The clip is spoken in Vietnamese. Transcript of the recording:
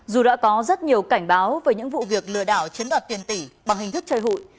dù đã có rất nhiều cảnh báo về những vụ việc lừa đảo chiếm đoạt tiền tỷ bằng hình thức chơi hụi